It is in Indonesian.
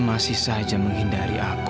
masih saja menghindari aku